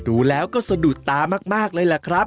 ดูแล้วก็สะดุดตามากเลยแหละครับ